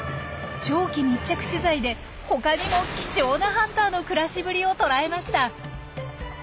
長期密着取材で他にも貴重なハンターの暮らしぶりを捉えました。